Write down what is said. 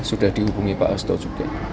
sudah dihubungi pak hasto juga